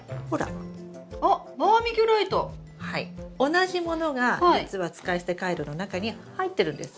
同じものが実は使い捨てカイロの中に入ってるんです。